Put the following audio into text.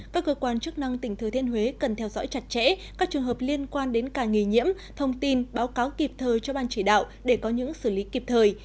các cơ quan chức năng tỉnh thừa thiên huế cần theo dõi chặt chẽ các trường hợp liên quan đến ca nghi nhiễm thông tin báo cáo kịp thời cho ban chỉ đạo để có những xử lý kịp thời